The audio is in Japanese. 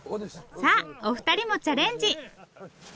さあお二人もチャレンジ！